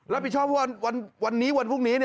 รับผิดชอบว่าวันนี้วันพรุ่งนี้